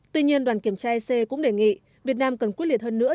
tuy nhiên đoàn kiểm tra ec cũng đề nghị việt nam cần quyết liệt hơn nữa